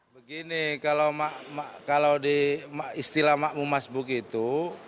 begini kalau di istilah mak um mas buk itu